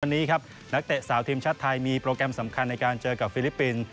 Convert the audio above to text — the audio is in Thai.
วันนี้ครับนักเตะสาวทีมชาติไทยมีโปรแกรมสำคัญในการเจอกับฟิลิปปินส์